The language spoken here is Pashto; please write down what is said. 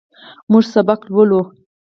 موږ سبق لولو.